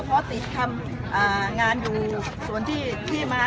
เพราะติดทำงานอยู่ส่วนที่มา